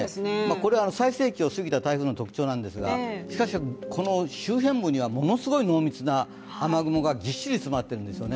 これは最盛期を過ぎた台風の特徴なんですがしかし、この周辺雲にはものすごい濃密な雨雲がぎっしり詰まっているんですよね。